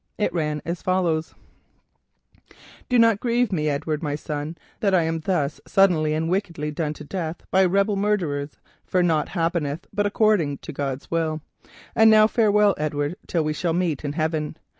It ran as follows: "_Do not grieve for me, Edward, my son, that I am thus suddenly done to death by rebel murderers, for nought happeneth but according to God's will. And now farewell, Edward, till we shall meet in heaven.